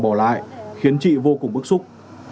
bỏ lại khiến chị vô cùng bức xúc